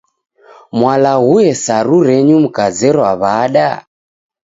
Mwalaghue saru renyu mkazerwa w'ada?